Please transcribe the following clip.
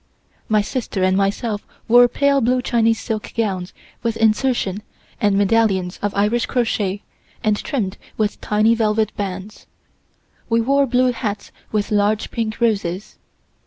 My sister and myself wore pale blue Chinese silk gowns with insertion and medallions of Irish crochet and trimmed with tiny velvet bands. We wore blue hats with large pink roses.